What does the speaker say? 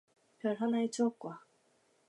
별 하나에 추억과